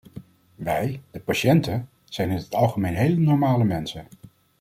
Wij, de patiënten, zijn in het algemeen heel normale mensen.